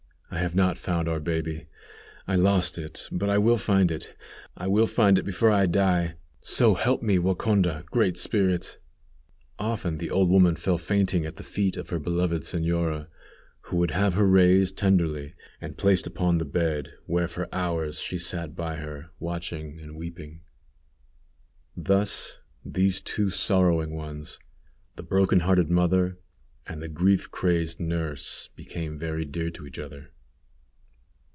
I have not found our baby. I lost it, but I will find it. I will find it before I die, so help me, Wacondah, Great Spirit!" Often the old woman fell fainting at the feet of her beloved señora, who would have her raised tenderly and placed upon the bed, where for hours she sat by her, watching and weeping. Thus these two sorrowing ones, the broken hearted mother and the grief crazed nurse, became very dear to each other.